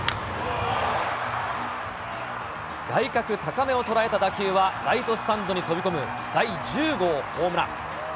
外角高めを捉えた打球はライトスタンドに飛び込む第１０号ホームラン。